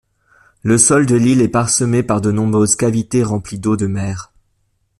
Le sol de l'île est parsemé par de nombreuses cavités remplies d'eau de mer.